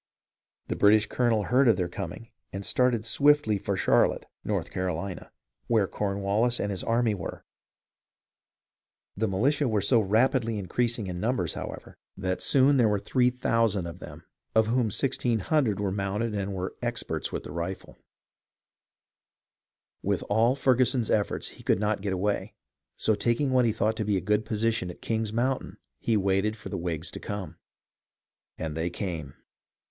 The British colonel heard of their coming and started swiftly for Charlotte (North Carolina), where Cornwallis and his army were. The militia were so rapidly increasing in 330 HISTORY OF THE AMERICAN REVOLUTION numbers, however, that soon there were 3000 of them, of whom 1600 were mounted and were experts with the rifle. With all Ferguson's efforts, he could not get away; so, tak ing what he thought to be a good position at King's Moun tain, he waited for the Whigs to come. And they came.